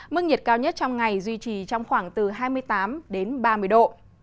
mức nhiệt cao nhất trong ngày duy trì trong khoảng từ hai mươi tám đến ba mươi độ